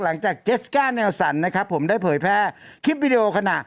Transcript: จากเจสก้าแนวสันนะครับผมได้เผยแพร่คลิปวิดีโอขณะ